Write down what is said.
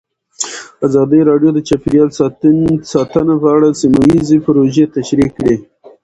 ازادي راډیو د چاپیریال ساتنه په اړه سیمه ییزې پروژې تشریح کړې.